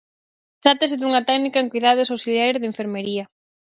Trátase dunha técnica en coidados auxiliares de enfermería.